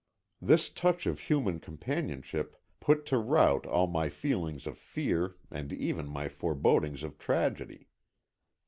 This touch of human companionship put to rout all my feelings of fear and even my forebodings of tragedy.